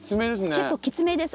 結構きつめです。